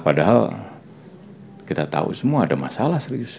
padahal kita tahu semua ada masalah serius